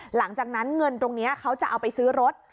หลังจากนั้นเงินตรงนี้เขาจะเอาไปซื้อรถ